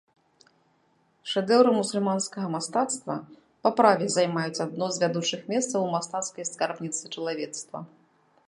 Шэдэўры мусульманскага мастацтва па праве займаюць адно з вядучых месцаў у мастацкай скарбніцы чалавецтва.